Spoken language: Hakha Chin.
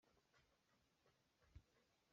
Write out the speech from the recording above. Tlang kan kai ahkhan ziah na rat ve lo?